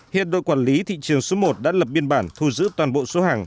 hiện đội quản lý thị trường số một đã lập biên bản thu giữ toàn bộ số hàng